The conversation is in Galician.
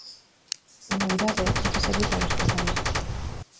A novidade é que se evita o desprazamento.